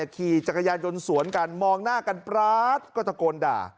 ขี่จักรยานยนต์สวนกันมองหน้ากันปราดก็ตะโกนด่า